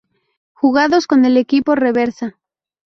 Jugados con el equipo reserva